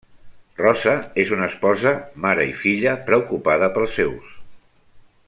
Rosa és una esposa, mare i filla preocupada pels seus.